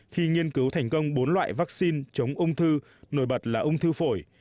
khi nghiên cứu thành công bốn loại vaccine chống ung thư nổi bật là ung thư phổi